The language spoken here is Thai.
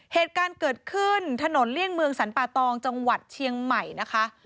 เหตุการณ์เกิดขึ้นถนนเลี่ยงเมืองสรรปะตองจังหวัดเชียงใหม่นะคะ